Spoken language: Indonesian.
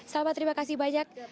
salma terima kasih banyak